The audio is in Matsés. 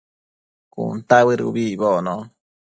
cuntabëd ubi icbocno